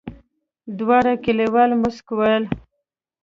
دواړه کليوال موسک ول.